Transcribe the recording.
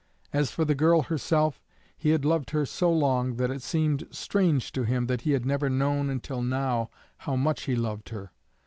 As for the girl herself, he had loved her so long that it seemed strange to him that he had never known until now how much he loved her.